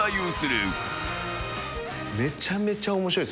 めちゃめちゃ面白いです。